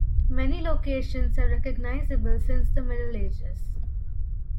Many locations are recognizable since the Middle Ages.